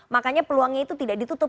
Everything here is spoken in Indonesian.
makanya peluangnya itu tidak ditutup